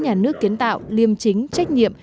nhà nước kiến tạo liêm chính trách nhiệm